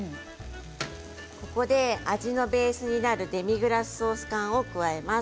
ここで味のベースになるデミグラスソース缶を加えます。